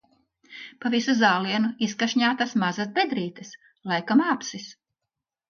Pa visu zālienu izkašņātas mazas bedrītes - laikam āpsis.